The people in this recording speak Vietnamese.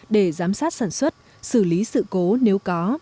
để giám sát sản xuất xử lý sự cố nếu có